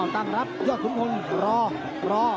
ตั้งรับยอดทุกคนรอรอ